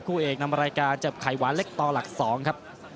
คู่เอกนำรายการจับไข่หวานเล็กต่อหลัก๒ครับ